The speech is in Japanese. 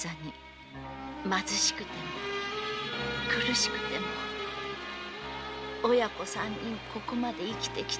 貧しくても苦しくても親子三人ここまで生きてきて。